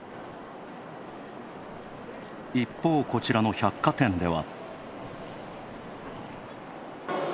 一方、こちらの百貨店では。